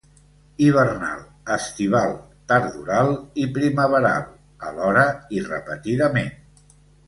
Hivernal, estival, tardoral i primaveral, alhora i repetidament.